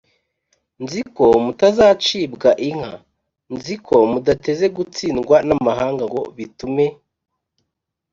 .Nzi ko mutazacibwa inka: nzi ko mudateze gutsindwa n’amahanga ngo bitume